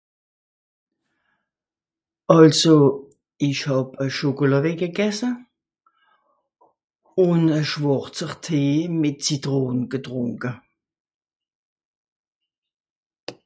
Àlso... ìch hàb e Schokolàwegge gässe. Ùn e schwàrzer Tee mìt Zitron getrùnke.